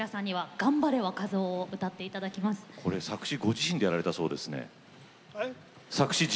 自分でご自身でやられたそうですね。